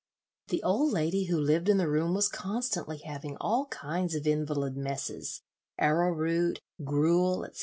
The old lady who lived in the room was constantly having all kinds of invalid messes, arrowroot, gruel, etc.